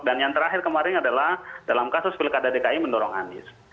dan yang terakhir kemarin adalah dalam kasus pilkada dki mendorong anies